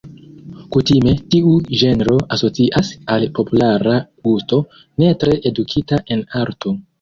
Kutime tiu ĝenro asocias al populara gusto, ne tre edukita en arto.